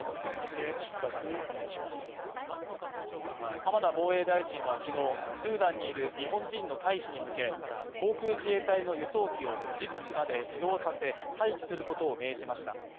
浜田防衛大臣は昨日、スーダンにいる日本人の退避に向け、航空自衛隊の輸送機をジブチまで移動させ待機することを命じました。